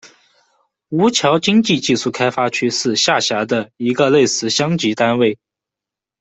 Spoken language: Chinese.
吴桥经济技术开发区是下辖的一个类似乡级单位。